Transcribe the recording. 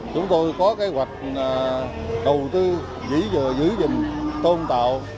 chúng tôi có kế hoạch đầu tư dỉa giữ gìn tôn tạo